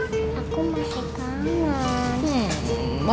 aku masih kangen